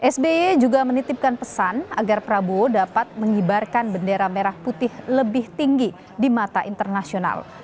sby juga menitipkan pesan agar prabowo dapat mengibarkan bendera merah putih lebih tinggi di mata internasional